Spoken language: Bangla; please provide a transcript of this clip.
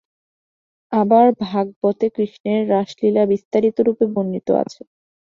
আবার ভাগবতে কৃষ্ণের রাসলীলা বিস্তারিতরূপে বর্ণিত আছে।